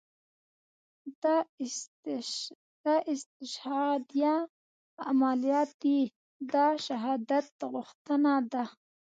دا استشهاديه عمليات دي دا شهادت غوښتنه ده.